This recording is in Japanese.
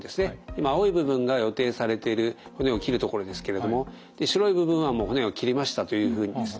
今青い部分が予定されている骨を切る所ですけれども白い部分はもう骨が切れましたというふうにですね